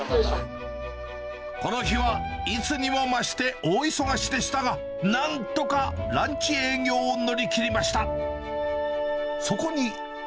この日は、いつにも増して大忙しでしたが、なんとかランチ営業を乗り切りました。